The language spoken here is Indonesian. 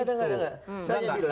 enggak enggak enggak